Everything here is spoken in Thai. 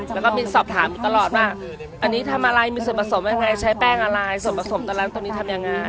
แล้วก็มีสอบถามอยู่ตลอดว่าอันนี้ทำอะไรมีส่วนผสมอะไรใช้แป้งอะไรส่วนผสมตอนนั้นตัวนี้ทำยังไง